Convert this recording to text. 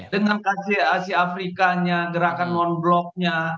dengan asia afrikanya gerakan non bloknya